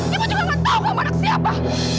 ibu juga gak tahu kamu anak siapa